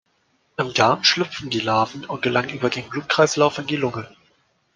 Im Darm schlüpfen die Larven und gelangen über den Blutkreislauf in die Lunge.